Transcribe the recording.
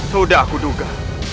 sudah aku duga